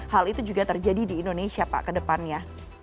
hal itu juga terjadi di indonesia pak kedepannya